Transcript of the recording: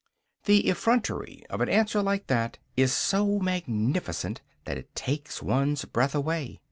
The effrontery of an answer like that is so magnificent that it takes one's breath away.